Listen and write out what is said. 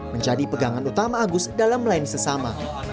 menjadi pegangan utama agus dalam melayani sesama